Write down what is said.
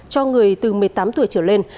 cho người từ một mươi tám tuổi trở lên